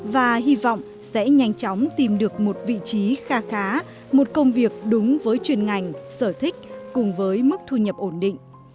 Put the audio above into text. và hy vọng sẽ nhanh chóng tìm được một vị trí khá khá một công việc đúng với chuyên ngành sở thích cùng với mức thu nhập ổn định